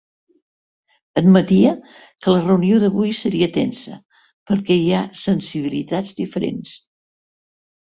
Admetia que la reunió d’avui seria tensa perquè hi ha ‘sensibilitats diferents’.